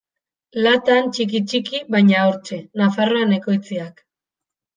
Latan, txiki-txiki, baina hortxe: Nafarroan ekoitziak.